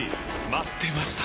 待ってました！